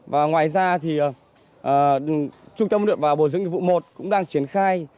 và ngoài ra thì trung tâm huấn luyện và bộ dưỡng nghiệp vụ một cũng đang triển khai